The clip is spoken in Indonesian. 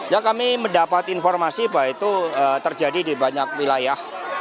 ya kami mendapat informasi bahwa itu terjadi di banyak wilayah